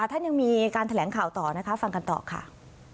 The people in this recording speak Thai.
ท่านยังมีการแถลงข่าวต่อนะคะฟังกันต่อค่ะ